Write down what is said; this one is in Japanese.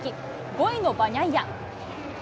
５位のバニャイヤ。